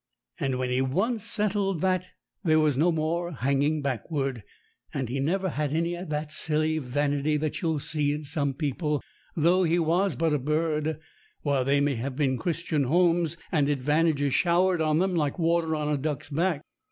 And when he once settled that, there was no more hanging backward. And he never had any of that silly vanity that you'll see in some people, though he was but a bird, while they may have Christian homes and ad vantages showered on them like water on a duck's back.